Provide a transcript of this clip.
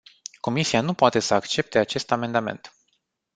Comisia nu poate să accepte acest amendament.